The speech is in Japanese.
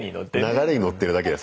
流れに乗ってるだけですから。